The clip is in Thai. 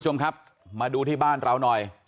คุณผู้ชมครับมาดูที่บ้านเราหน่อย